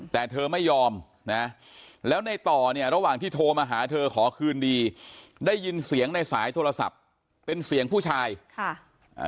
แต่เธอไม่ยอมนะแล้วในต่อเนี่ยระหว่างที่โทรมาหาเธอขอคืนดีได้ยินเสียงในสายโทรศัพท์เป็นเสียงผู้ชายค่ะอ่า